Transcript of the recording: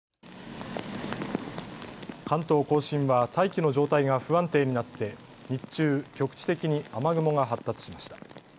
関東甲信は大気の状態が不安定になって日中、局地的に雨雲が発達しました。